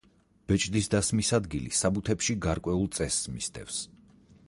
ბეჭდის დასმის ადგილი საბუთებში გარკვეულ წესს მისდევს.